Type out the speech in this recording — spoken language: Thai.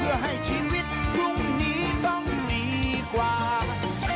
เพื่อให้ชีวิตพรุ่งนี้ต้องมีความ